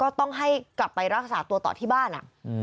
ต้องให้กลับไปรักษาตัวต่อที่บ้าน